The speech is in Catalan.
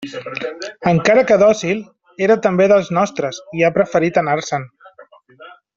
Encara que dòcil, era també dels nostres, i ha preferit anar-se'n.